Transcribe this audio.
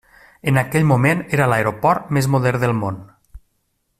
En aquell moment era l'aeroport més modern del món.